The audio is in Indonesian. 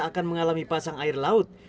akan mengalami pasang air laut